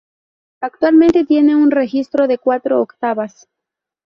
Actualmente tiene un registro de cuatro octavas.